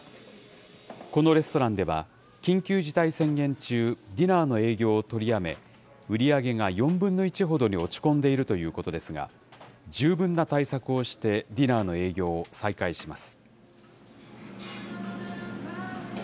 このレストランでは、緊急事態宣言中、ディナーの営業を取りやめ、売り上げが４分の１ほどに落ち込んでいるということですが、十分な対策をしてディナーの営業を再開します。